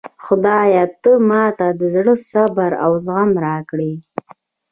خدایه ته ماته د زړه صبر او زغم راکړي